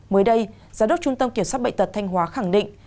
mới đây giám đốc trung tâm kiểm soát bệnh tật thanh hóa khẳng định